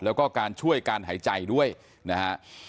แล้วก็การช่วยการหายใจด้วยนะฮะ